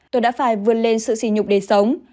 tôi đã phải vượt lên sự xỉ nhục để sống